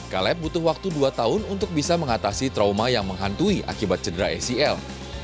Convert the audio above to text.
kaleb butuh waktu dua tahun untuk bisa mengatasi trauma yang menghantui akibat cedera acl